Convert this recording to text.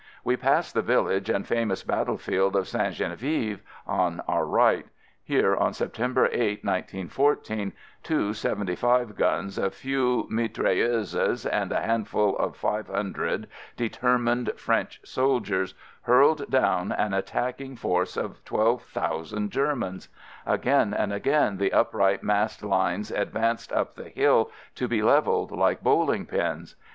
We passed the village and famous battlefield of Ste. Genevieve on our right. Here, on September 8, 1914, two "75" guns, a few mitrailleuses and a handful of five hundred determined French soldiers hurled down an attacking force of 12,000 Germans. Again and again the upright massed line advanced up the hill, to be leveled like bowling pins.